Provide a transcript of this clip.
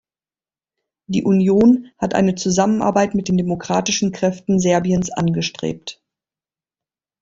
Die Union hat eine Zusammenarbeit mit den demokratischen Kräften Serbiens angestrebt.